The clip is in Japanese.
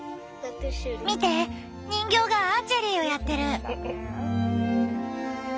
見て人形がアーチェリーをやってる。